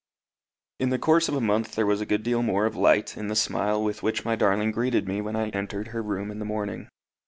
In the course of a month there was a good deal more of light in the smile with which my darling greeted me when I entered her room in the morning.